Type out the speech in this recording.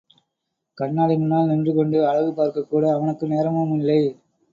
கண்ணாடி முன்னால் நின்று கொண்டு அழகு பார்க்கக்கூட அவனுக்கு நேரமும் இல்லை.